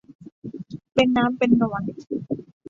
เป็นน้ำเป็นนวล